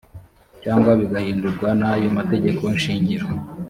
cyangwa bigahindurwa n’ayo mategeko shingiro